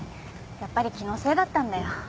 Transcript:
やっぱり気のせいだったんだよ。